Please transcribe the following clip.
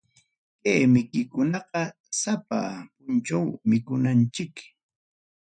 Kay mikuykunam sapa punchaw mikunanchik.